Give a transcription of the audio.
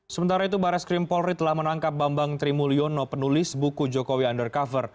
sementara itu baris krim polri telah menangkap bambang trimulyono penulis buku jokowi undercover